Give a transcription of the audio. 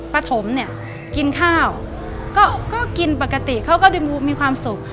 ปฐมเนี่ยกินข้าวก็กินปกติเขาก็ดูมีความสุข